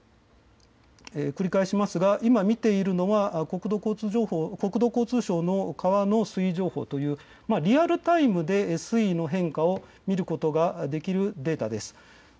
繰り返しますが今、見ているのは国土交通省の川の水位情報というリアルタイムで水位の変化を見ることができるデータです。